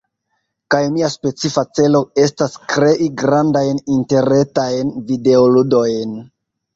kaj mia specifa celo estas krei grandajn interretajn videoludojn.